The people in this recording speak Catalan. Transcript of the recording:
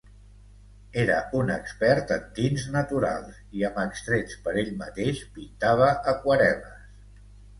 Era un expert en tints naturals i amb extrets per ell mateix, pintava aquarel·les.